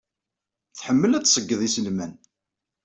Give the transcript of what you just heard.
Tḥemmel ad d-tṣeyyed iselman.